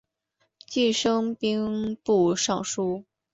继升兵部尚书。